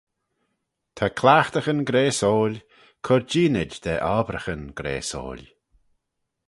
Ta cliaghtaghyn graysoil, cur jeeanid da obraghyn graasoil.